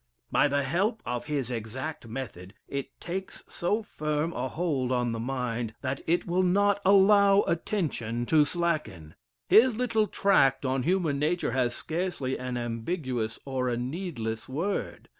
By the help of his exact method, it takes so firm a hold on the mind, that it will not allow attention to slacken. His little tract on human nature has scarcely an ambiguous or a needless word.